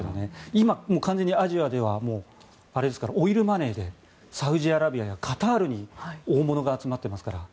今、完全にアジアではオイルマネーでサウジアラビアやカタールに大物が集まっていますから。